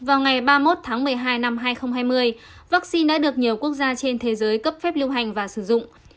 vào ngày ba mươi một tháng một mươi hai năm hai nghìn hai mươi vaccine đã được nhiều quốc gia trên thế giới cấp phép lưu hành và sử dụng